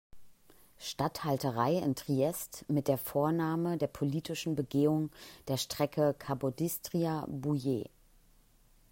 Statthalterei in Triest mit der Vornahme der politischen Begehung der Strecke Capodistria–Buje.